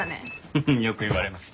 フフッよく言われます。